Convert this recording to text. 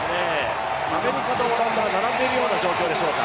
アメリカとオランダ、並んでいるような状況でしょうか。